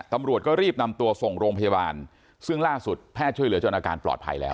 ตำรวจก็รีบนำตัวส่งโรงพยาบาลซึ่งล่าสุดแพทย์ช่วยเหลือจนอาการปลอดภัยแล้ว